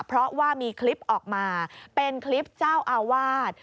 เพราะว่ามีคลิปออกมาเป็นคลิปเจ้าอาวาส